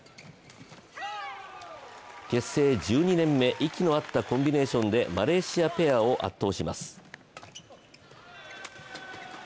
結成１２年目、息の合ったコンビネーションでマレーシアペアを圧倒します。